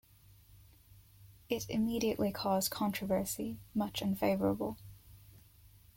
It immediately caused controversy, much unfavorable.